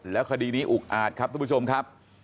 และคดีนี้อุ๊กอาดครับท่านผู้ชมครับ